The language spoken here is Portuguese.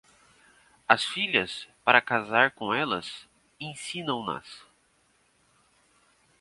As filhas, para casar com elas, ensinam-nas.